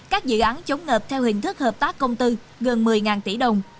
các dự án chống ngập theo hình thức hợp tác công tư gần một mươi tỷ đồng